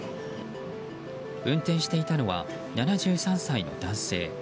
運転していたのは７３歳の男性。